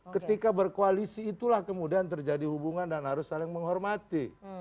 ketika berkoalisi itulah kemudian terjadi hubungan dan harus saling menghormati